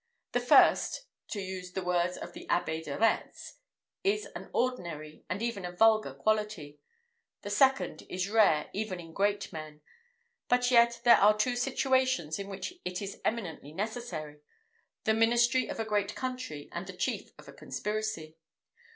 The first, to use the words of the Abbé de Retz, is an ordinary, and even a vulgar quality; the second is rare even in great men; but yet there are two situations in which it is eminently necessary the ministry of a great country, and the chief of a conspiracy.